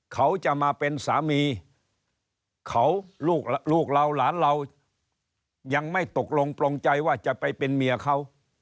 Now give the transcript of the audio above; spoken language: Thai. เขาจะมาเป็นสามีเขาลูกเราหลานเรายังไม่ตกลงปลงใจว่าจะไปเป็นเมียเขา